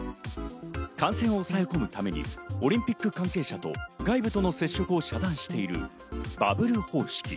感染を抑え込むためにオリンピック関係者と外部の接触を遮断しているバブル方式。